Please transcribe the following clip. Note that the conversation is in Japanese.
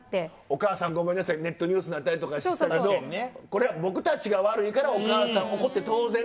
「お母さんごめんなさいネットニュースになったりとかしたけどこれは僕たちが悪いからお母さん怒って当然だ」と。